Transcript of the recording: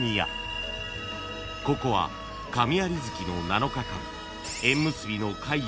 ［ここは神在月の七日間］